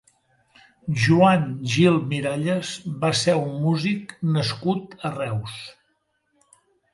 Joan Gil Miralles va ser un músic nascut a Reus.